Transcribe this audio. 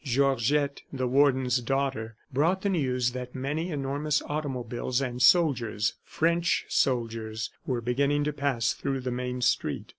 Georgette, the Warden's daughter, brought the news that many enormous automobiles and soldiers, French soldiers, were beginning to pass through the main street.